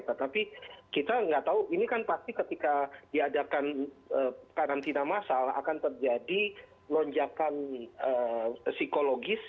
tetapi kita nggak tahu ini kan pasti ketika diadakan karantina massal akan terjadi lonjakan psikologis